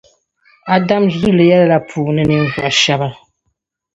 Adam zuliya puuni la ninvuɣu shɛba.